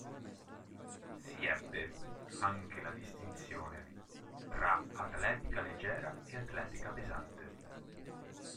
Si ebbe anche la distinzione tra atletica leggera e atletica pesante.